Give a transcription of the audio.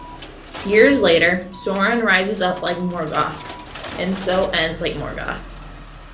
Years later, Sauron rises up like Morgoth, and so 'ends' like Morgoth.